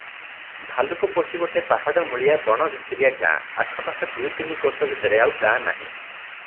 ଭାଲୁକପୋଷି ଗୋଟାଏ ପାହାଡ଼ମୂଳିଆ ବଣଭିତିରିଆ ଗାଁ, ଆଖପାଖ ଦୁଇ ତିନି କୋଶ ଭିତରେ ଆଉ ଗାଁ ନାହିଁ ।